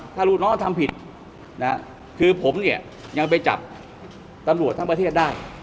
ถ้าลูกน้องทำผิดนะคือผมเนี่ยยังไปจับตำรวจทั้งประเทศได้